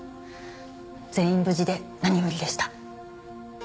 全員無事で何よりでした。